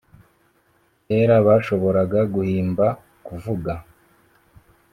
kera bashoboraga guhimba, kuvuga